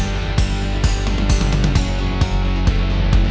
sampai kapanpun gue akan pernah jauhin putri